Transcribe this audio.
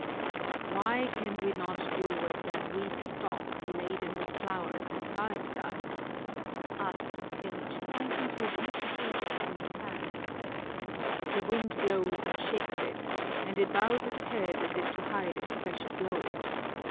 "Why can we not do as that weak stalk laden with flowers and buds does?" asked the Sage, pointing to a beautiful jasmine plant. "The wind blows and shakes it and it bows its head as if to hide its precious load.